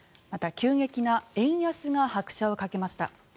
また、急激な円安が拍車をかけました。